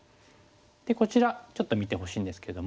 でこちらちょっと見てほしいんですけども。